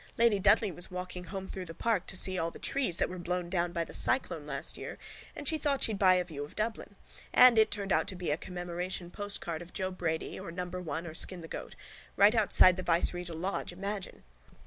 Lady Dudley was walking home through the park to see all the trees that were blown down by that cyclone last year and thought she'd buy a view of Dublin. And it turned out to be a commemoration postcard of Joe Brady or Number One or Skin the Goat. Right outside the viceregal lodge, imagine!